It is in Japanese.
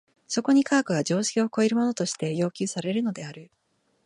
そこに科学が常識を超えるものとして要求されるのである。